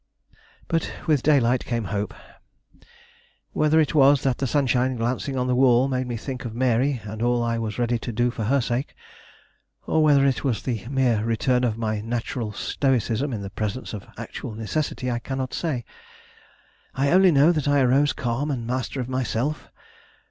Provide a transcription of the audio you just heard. But with daylight came hope. Whether it was that the sunshine glancing on the wall made me think of Mary and all I was ready to do for her sake, or whether it was the mere return of my natural stoicism in the presence of actual necessity, I cannot say. I only know that I arose calm and master of myself.